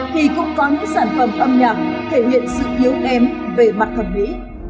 thì cũng có những sản phẩm âm nhạc thể hiện sự yếu kém về mặt thẩm mỹ